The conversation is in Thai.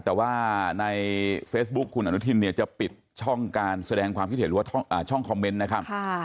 แต่ว่าในเฟซบุ๊คคุณอนุทินเนี่ยจะปิดช่องการแสดงความคิดเห็นหรือว่าช่องคอมเมนต์นะครับ